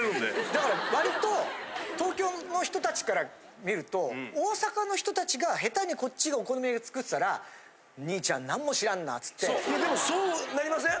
だからわりと、東京の人たちから見ると、大阪の人たちが、下手にこっちでお好み焼き作ってたら、兄ちゃん、そうなりません？